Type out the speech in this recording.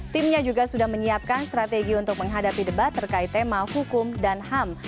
timnya juga sudah menyiapkan strategi untuk menghadapi debat terkait tema hukum dan ham